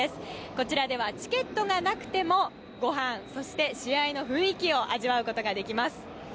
こちらではチケットがなくてもごはん、そして試合の雰囲気を味わうことができます。